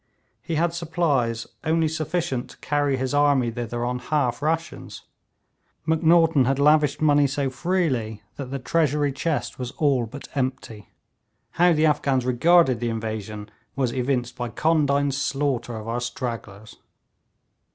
He had supplies only sufficient to carry his army thither on half rations. Macnaghten had lavished money so freely that the treasury chest was all but empty. How the Afghans regarded the invasion was evinced by condign slaughter of our stragglers.